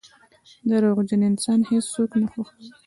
• دروغجن انسان هیڅوک نه خوښوي.